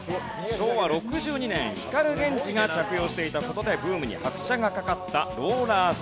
昭和６２年光ＧＥＮＪＩが着用していた事でブームに拍車がかかったローラースケート。